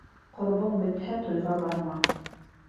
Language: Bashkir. Ҡорбоң бөтһә, туйға барма.